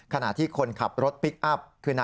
ขณะที่คนขับรถพลิกอัพคือ